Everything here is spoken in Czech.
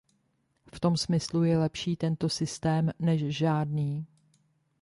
V tom smyslu je lepší tento systém, než žádný.